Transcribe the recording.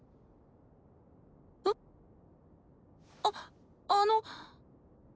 あっあのっ。